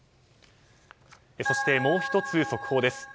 そして、もう１つ速報です。